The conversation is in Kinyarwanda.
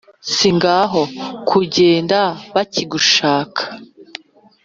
sigaho kugenda bakigushaka